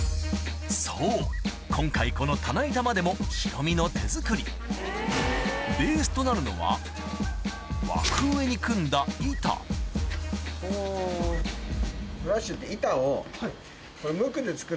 そう今回この棚板までもヒロミの手作りベースとなるのは枠上に組んだ板フラッシュって。